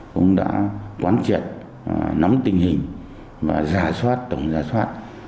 cũng đã quán triệt nắm tình hình và giả soát tổng giả soát